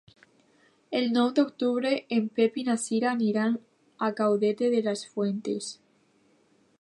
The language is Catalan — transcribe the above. El nou d'octubre en Pep i na Cira aniran a Caudete de las Fuentes.